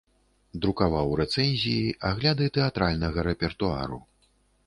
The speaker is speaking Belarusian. Друкаваў рэцэнзіі, агляды тэатральнага рэпертуару.